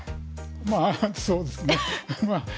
まあそうですね。